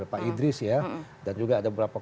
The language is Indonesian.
pak idris ya dan juga ada beberapa